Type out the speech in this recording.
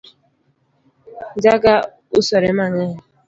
Njaga usore mang'eny